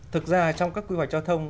thực ra trong các quy hoạch giao thông